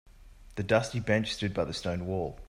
The dusty bench stood by the stone wall.